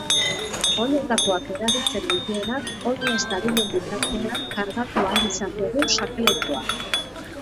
Oinetakoak erabiltzen dituenak oinez dabilen bitartean kargatu ahal izango du sakelakoa.